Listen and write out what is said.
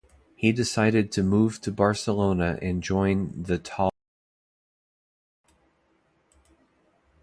He decided to move to Barcelona and join the "Taller".